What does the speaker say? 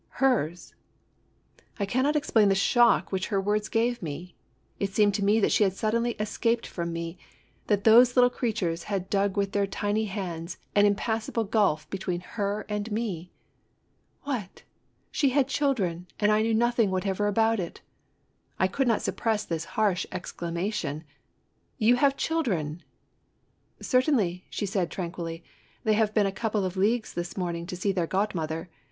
Hers! I cannot explain the shock which her words gave me. It seemed to me that she had suddenly es caped from me, that those little creatures had dug with their tiny hands an impassable gulf between her and me ! What I she had children and I knew nothing whatever about it! I could not suppress this harsh exclamation: "You have children !"" Certainly," she said, tranquilly. " They have been a couple of leagues this morning to see their godmother.